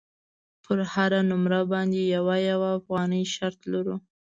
پر هره نمره باندې یوه یوه افغانۍ شرط لرو.